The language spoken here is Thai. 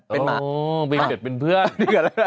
เป็นหนอโอ๋เป็ดเป็นเพื่อน